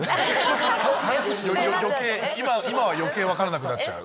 今は余計分からなくなっちゃう。